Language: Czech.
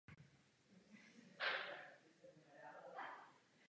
To je přirozené.